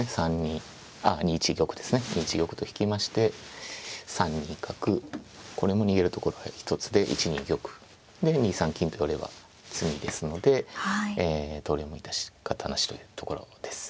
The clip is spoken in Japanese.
２一玉と引きまして３二角これも逃げるところは１つで１二玉。で２三金と寄れば詰みですので投了も致し方なしというところです。